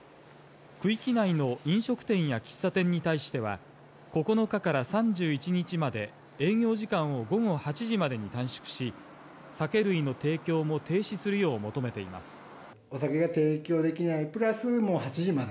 区域内の飲食店や喫茶店に対しては９日から３１日まで営業時間を午後８時までに短縮し酒類の提供も停止するよう求めています。